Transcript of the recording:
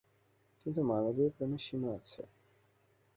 কিন্তু মানবীয় প্রেমে সীমা আছে।